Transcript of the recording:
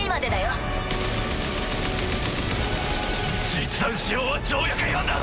実弾使用は条約違反だ！